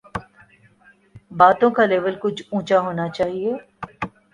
باتوں کا لیول کچھ اونچا ہونا چاہیے۔